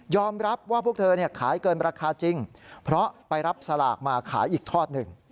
รับว่าพวกเธอขายเกินราคาจริงเพราะไปรับสลากมาขายอีกทอดหนึ่ง